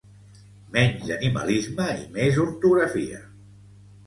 Menys animalisme i més ortografia